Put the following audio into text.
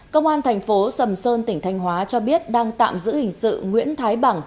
công an thành phố sầm sơn tỉnh thanh hóa cho biết đang tạm giữ hình sự nguyễn thái bằng